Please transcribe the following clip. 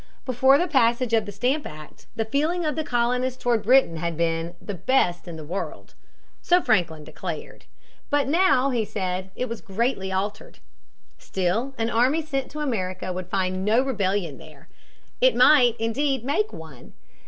Before the passage of the Stamp Act the feeling of the colonists toward Britain had been "the best in the world." So Franklin declared. But now, he said, it was greatly altered. Still an army sent to America would find no rebellion there. It might, indeed, make one.